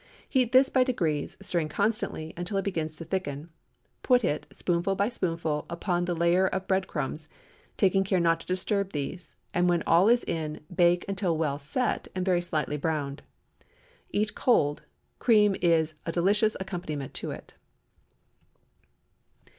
Heat this by degrees, stirring constantly until it begins to thicken; put it, spoonful by spoonful, upon the layer of bread crumbs, taking care not to disturb these, and when all is in, bake until well "set" and very slightly browned. Eat cold. Cream is a delicious accompaniment to it.